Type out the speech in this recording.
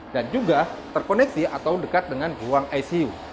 dan juga terkoneksi atau dekat dengan ruang icu